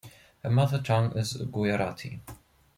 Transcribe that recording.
Her mother tongue is Gujarati.